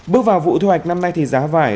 bước vào vụ thu hoạch năm nay thì giá vải